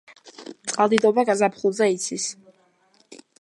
წყალდიდობა გაზაფხულზე იცის.